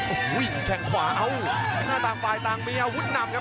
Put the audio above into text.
โอ้โหแข่งขวาเอาหน้าต่างฝ่ายต่างมีอาวุธนำครับ